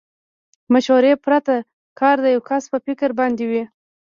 مشورې پرته کار د يوه کس په فکر بنا وي.